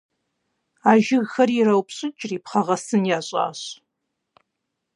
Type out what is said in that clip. А жыгхэри ираупщӏыкӏри, пхъэгъэсын ящӏащ.